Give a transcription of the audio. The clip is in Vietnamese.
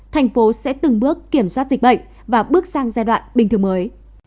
các địa phương có thể kiểm soát dịch bệnh và bước sang giai đoạn bình thường mới